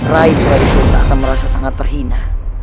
rai surawi sesa akan merasa sangat terhina